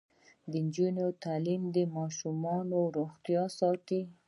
د نجونو تعلیم د ماشومانو روغتیا ساتي.